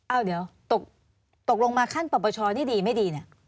อ้าวเดี๋ยวตกลงมาขั้นปรปชนี่ดีไม่ดีเนี่ย